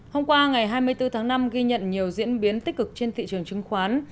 hôm qua ngày hai mươi bốn tháng năm ghi nhận nhiều diễn biến tích cực trên thị trường chứng khoán